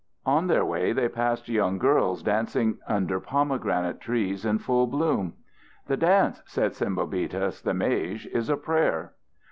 On their way they passed young girls dancing under pomegranate trees in full bloom. "The dance," said Sembobitis the mage, "is a prayer."